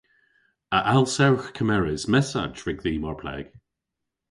A alsewgh kemeres messach rygdhi mar pleg?